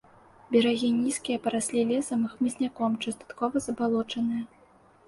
Берагі нізкія, параслі лесам і хмызняком, часткова забалочаныя.